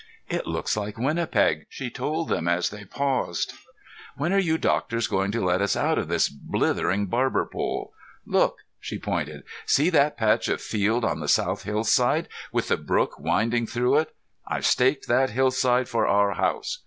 "It looks like Winnipeg," she told them as they paused. "When are you doctors going to let us out of this blithering barberpole? Look," she pointed. "See that patch of field on the south hillside, with the brook winding through it? I've staked that hillside for our house.